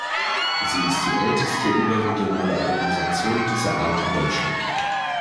Sie ist die älteste überregionale Organisation dieser Art in Deutschland.